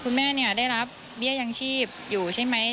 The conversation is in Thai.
คุณแม่ได้รับเบี้ยยังชีพอยู่ใช่ไหม